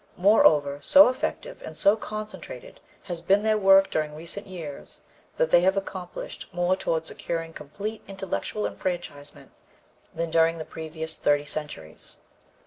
Moreover, so effective and so concentrated has been their work during recent years that they have accomplished more toward securing complete intellectual enfranchisement than during the previous thirty centuries.